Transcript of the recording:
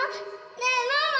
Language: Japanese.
ねぇママ！